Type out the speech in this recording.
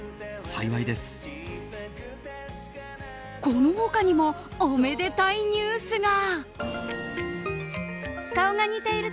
この他にもおめでたいニュースが。